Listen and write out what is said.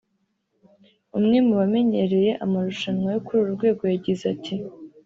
umwe mu bamenyereye amarushanwa yo kuri uru rwego yagize ati